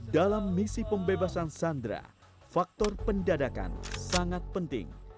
dalam misi pembebasan sandera faktor pendadakan sangat penting